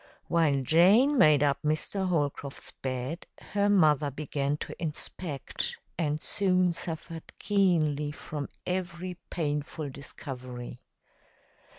While Jane made up Mr. Holcroft's bed, her mother began to inspect, and soon suffered keenly from every painful discovery.